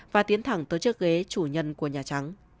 và tiến thẳng tới chiếc ghế chủ nhân của nhà trắng